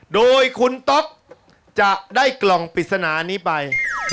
โดยคุณต๊อกจะได้กล่องปริศนานี้ไป